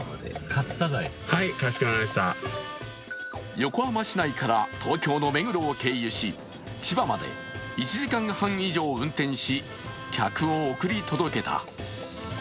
横浜市内から東京の目黒を経由し千葉まで１時間半以上運転し、客を送り届けた。